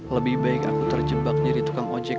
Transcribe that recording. lebih baik aku terjebak jadi tukang ojek